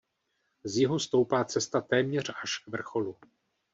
Z jihu stoupá cesta téměř až k vrcholu.